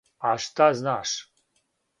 А шта знаш?